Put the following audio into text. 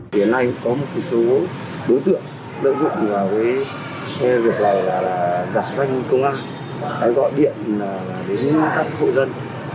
điện nay có một số đối tượng lợi dụng vào việc giảm danh công an gọi điện đến các hội dân